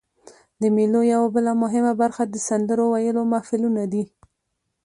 د مېلو یوه بله مهمه برخه د سندرو ویلو محفلونه دي.